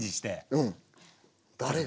うん誰が？